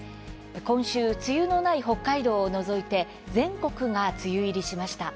今週、梅雨のない北海道を除いて全国が梅雨入りしました。